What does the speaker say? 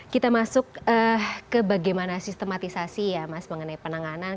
kita masuk ke bagaimana sistematisasi ya mas mengenai penanganan